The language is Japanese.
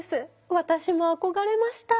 私も憧れました！